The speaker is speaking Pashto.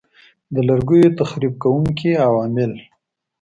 د لرګیو تخریب کوونکي عوامل